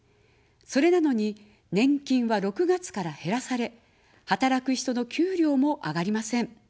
それなのに、年金は６月から減らされ、働く人の給料も上がりません。